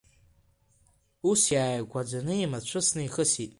Ус иааигәаӡаны имацәысны ихысит.